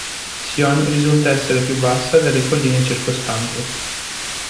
Sion risulta essere più bassa delle colline circostanti.